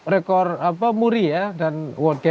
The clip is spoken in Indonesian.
rekor apa muri ya dan wodja ya